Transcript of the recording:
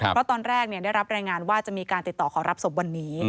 เพราะตอนแรกได้รับรายงานว่าจะมีการติดต่อขอรับศพวันนี้